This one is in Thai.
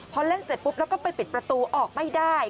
พอเล่นเสร็จปุ๊บแล้วก็ไปปิดประตูออกไม่ได้